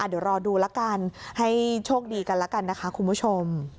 เดี๋ยวรอดูละกันให้โชคดีกันแล้วกันนะคะคุณผู้ชม